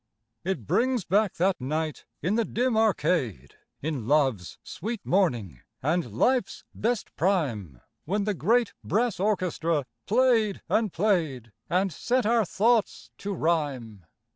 It brings back that night in the dim arcade, In love's sweet morning and life's best prime, When the great brass orchestra played and played, And set our thoughts to rhyme.